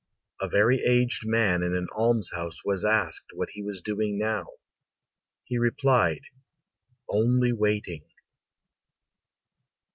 [A very aged man in an almshouse was asked what he was doing now. He replied, "Only waiting."